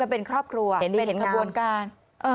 เป็นกระบวนการ